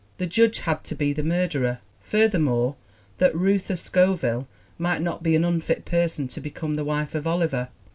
The Judge had to be the murderer, furthermore, that Reuther Scoville might not be an unfit person to be come the wife of Oliver.